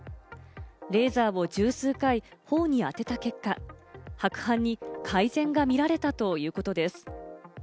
レーザーを十数回、頬に当てた結果、白斑に改善が見られたということです。